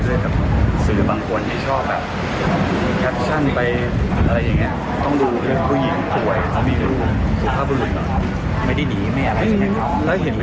เมื่อวานก็เห็นอยู่ไม่มีใครไม่เครียดหรอก